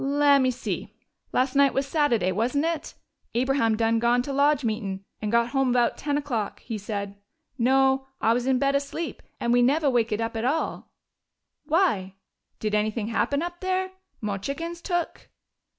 "Lem'me see.... Las' night was Sattiday, wasn't it? Abraham done gone to lodge meetin' and got home bout ten o'clock, he said. No, I was in bed asleep, and we neve' wakened up at all.... Why? Did anything happen up there? Mo' chickens took?"